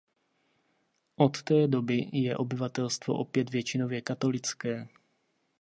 Od té doby je obyvatelstvo opět většinově katolické.